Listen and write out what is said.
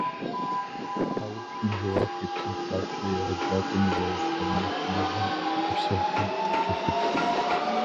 А упщӀэм жэуап ептын папщӀэ, егъэджакӀуэм игъэув гъэунэхуныгъэм гупсэхуу кӀэлъыплъ.